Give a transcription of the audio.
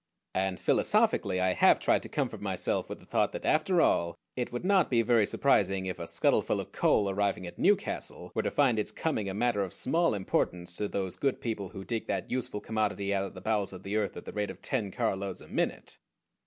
And philosophically I have tried to comfort myself with the thought that after all it would not be very surprising if a scuttleful of coal arriving at Newcastle were to find its coming a matter of small importance to those good people who dig that useful commodity out of the bowels of the earth at the rate of ten carloads a minute.